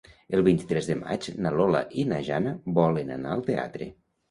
El vint-i-tres de maig na Lola i na Jana volen anar al teatre.